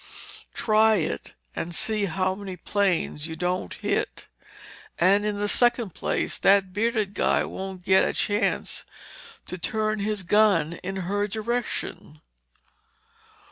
Try it and see how many planes you don't hit! And in the second place, that bearded guy won't get a chance to turn his gun in her direction."